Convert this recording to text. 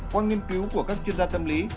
qua nghiên cứu của các chuyên gia tâm lý